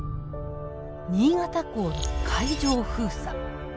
新潟港の海上封鎖。